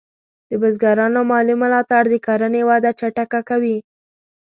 د بزګرانو مالي ملاتړ د کرنې وده چټکه کوي.